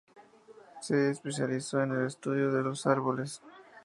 Se especializó en el estudio de los árboles.